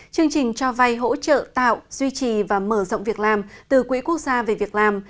chương trình cho vay hỗ trợ tạo duy trì và mở rộng việc làm từ quỹ quốc gia về việc làm